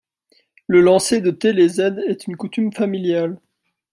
le lancer de Télé Z est une coutume familiale.